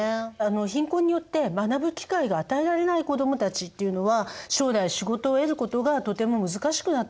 貧困によって学ぶ機会が与えられない子どもたちっていうのは将来仕事を得ることがとても難しくなってしまう。